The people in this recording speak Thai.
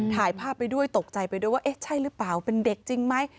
ถ่ายภาพไปด้วยตกใจไปด้วยว่าเอ๊ะใช่หรือเปล่าเป็นเด็กจริงไหม